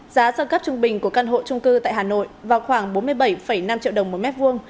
giá sơ cấp trung bình của căn hộ trung cư tại hà nội vào khoảng bốn mươi bảy năm triệu đồng một mét vuông